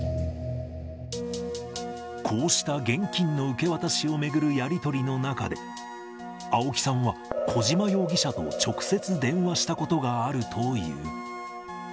こうした現金の受け渡しを巡るやり取りの中で、青木さんは小島容疑者と直接電話したことがあるという。